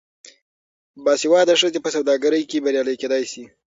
باسواده ښځې په سوداګرۍ کې بریالۍ کیدی شي.